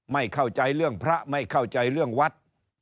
ไม่เข้าใจเรื่องพระไม่เข้าใจเรื่องวัด